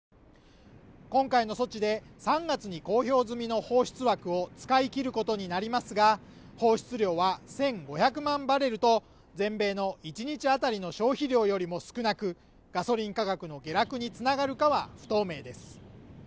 今回の措置で３月に公表済みの放出枠を使い切ることになりますが放出量は１５００万バレルと全米の１日あたりの消費量よりも少なくガソリン価格の下落につながるかは不透明です